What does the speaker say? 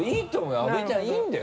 阿部ちゃんいいんだよ